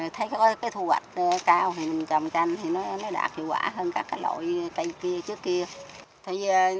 thấy có cái thu hoạch cao thì mình trồng chanh thì nó đạt hiệu quả hơn các loại cây kia trước kia